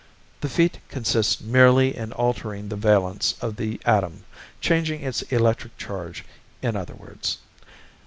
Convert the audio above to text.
The feat consists merely in altering the valence of the atom, changing its electric charge, in other words.